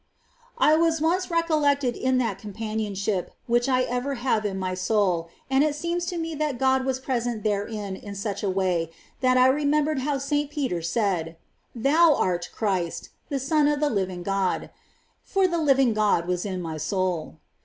17. I was once recollected in that companionship which I ever have in my soul, and it seemed to me that God v/as present therein in such a way tliat I remembered how S. Peter said :" Thou art Christ, the Son of the living God ;"^ for the living God was in my soul.